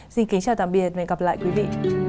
xin kính chào tạm biệt và hẹn gặp lại quý vị